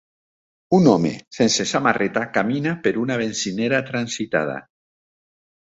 Un home sense samarreta camina per una benzinera transitada.